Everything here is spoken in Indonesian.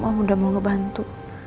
om udah mau ngebantu